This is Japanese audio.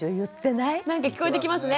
なんか聞こえてきますね。